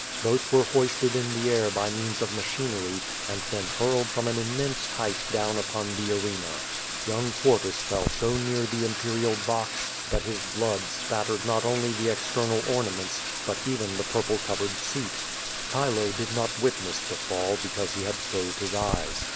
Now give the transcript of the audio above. Both were hoisted? in the air by means of machinery, and then hurled from 'an immense height down upon the arena. Young Quartus feU so near the imperial box that liis blood spattered not only the^^j^ernal ornaments, but even the purple covered seat. Chilo di^ ndt witness the fall, because he had closed his eyes.